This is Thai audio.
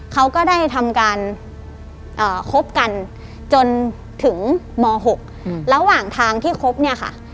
เขาก็ได้ทำการคบกันจนถึงม๖ระหว่างทางที่คบเนี่ยค่ะ